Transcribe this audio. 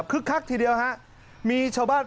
ปลูกมะพร้าน้ำหอมไว้๑๐ต้น